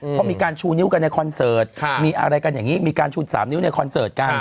เพราะมีการชูนิ้วกันในคอนเสิร์ต